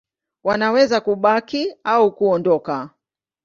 Wanaweza kubaki au kuondoka.